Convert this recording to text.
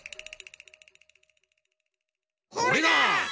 これだ！